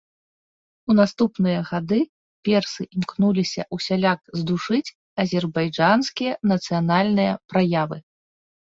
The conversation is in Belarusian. У наступныя гады персы імкнуліся ўсяляк здушыць азербайджанскія нацыянальныя праявы.